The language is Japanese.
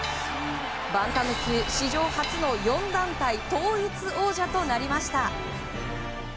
バンタム級史上初の４団体統一王者となりました。